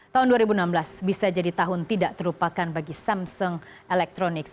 tahun dua ribu enam belas bisa jadi tahun tidak terlupakan bagi samsung electronics